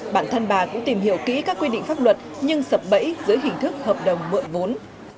bản thân bà cũng tìm hiểu kỹ các quy định pháp luật nhưng sập bẫy dưới hình thức hợp đồng mượn vốn